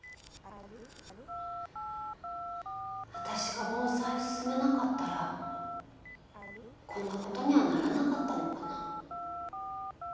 私が盆栽を勧めなかったらこんなことにはならなかったのかな。